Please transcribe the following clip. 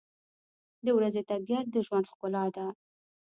• د ورځې طبیعت د ژوند ښکلا ده.